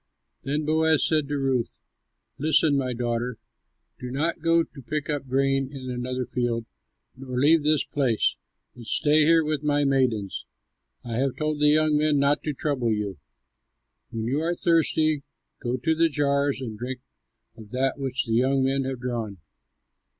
Then Boaz said to Ruth, "Listen, my daughter. Do not go to pick up grain in another field nor leave this place, but stay here with my maidens. I have told the young men not to trouble you. When you are thirsty, go to the jars and drink of that which the young men have drawn."